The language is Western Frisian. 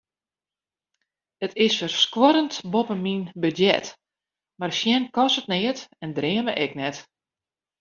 It is ferskuorrend boppe myn budzjet, mar sjen kostet neat en dreame ek net.